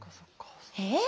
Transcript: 「えっ！？